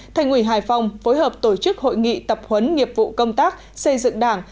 thành ủy hải phòng phối hợp tổ chức hội nghị tập huấn nghiệp vụ công tác xây dựng đảng